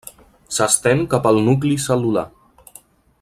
S'estén cap al nucli cel·lular.